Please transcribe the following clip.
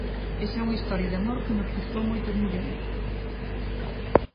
Esa é unha historia de amor que nos custou moitos millóns.